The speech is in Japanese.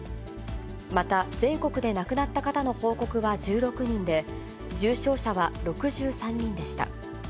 また全国で亡くなった方の報告は１６人で、重症者は６３人でした。